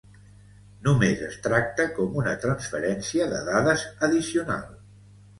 Només es tracta com una transferència de dades addicional.